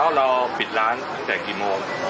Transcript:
แล้วเราปิดร้านตั้งแต่กี่โมง